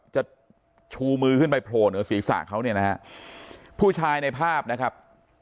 จะชูมือขึ้นไปโผล่เหนือศีรษะเขาเนี่ยนะฮะผู้ชายในภาพนะครับ